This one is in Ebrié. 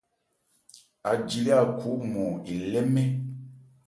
Aji lê Akho ɔ́nmɔn elɛ́ nmɛ́n.